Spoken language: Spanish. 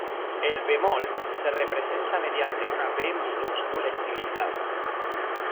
El bemol se representa mediante una "b" minúscula estilizada.